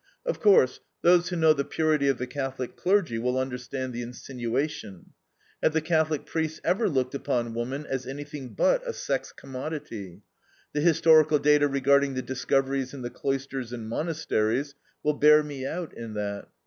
Of course, those who know the purity of the Catholic clergy will understand the insinuation. Have the Catholic priests ever looked upon woman as anything but a sex commodity? The historical data regarding the discoveries in the cloisters and monasteries will bear me out in that.